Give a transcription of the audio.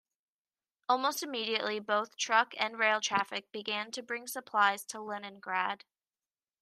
Almost immediately, both truck and rail traffic began to bring supplies to Leningrad.